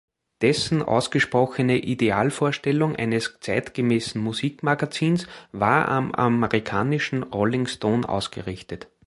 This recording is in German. Dessen ausgesprochene Idealvorstellung eines zeitgemäßen Musik-Magazins war am amerikanischen Rolling Stone ausgerichtet.